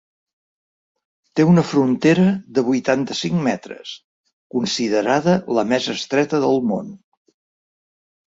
Té una frontera de vuitanta-cinc metres, considerada la més estreta del món.